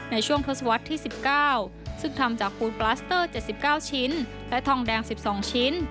ในช่วงทศวรรษที่๑๙ซึ่งทำจากปูนปลาสเตอร์๗๙ชิ้นและทองแดง๑๒ชิ้น